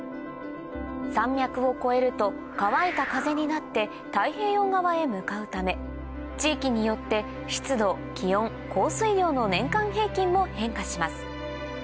山脈を越えると乾いた風になって太平洋側へ向かうため地域によって湿度気温降水量の年間平均も変化します